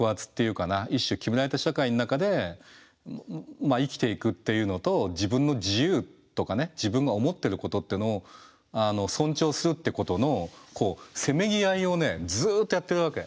一種決められた社会の中で生きていくっていうのと自分の自由とか自分が思ってることっていうのを尊重するってことのせめぎ合いをねずっとやってるわけ。